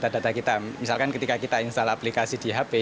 data data kita misalkan ketika kita install aplikasi di hp